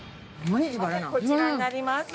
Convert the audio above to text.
こちらになります。